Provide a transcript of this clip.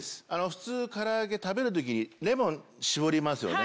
普通から揚げ食べる時にレモン搾りますよね。